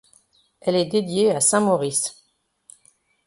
Elle est dédiée à saint Maurice.